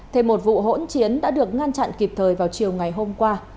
thêm một vụ hỗn chiến đã được ngăn chặn kịp thời vào chiều ngày hôm qua